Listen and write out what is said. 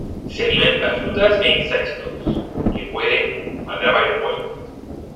Se alimenta de frutas e insectos, que puede atrapar en vuelo.